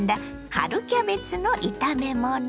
春キャベツの炒め物。